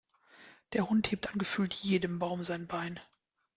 Der Hund hebt an gefühlt jedem Baum sein Bein.